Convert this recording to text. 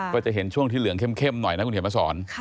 ก็จะเห็นช่วงที่เหลืองเข้มหน่อยนะคุณเขียนมาสอน